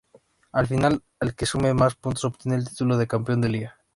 Al final, el que sume más puntos, obtiene el título de campeón de liga.